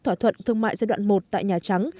thỏa thuận thương mại giai đoạn một tại nhà trắng